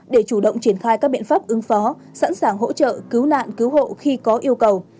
để chủ động triển khai các biện pháp ứng phó sẵn sàng hỗ trợ cứu nạn cứu hộ khi có yêu cầu